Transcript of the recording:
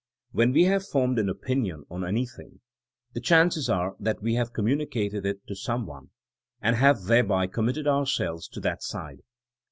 When we have formed aA opinion on any thing, the chances are that we have communi cated it to some One, and have thereby com mitted ourselves to that side.